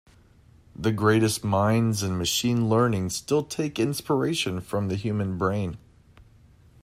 The greatest minds in machine learning still take inspiration from the human brain.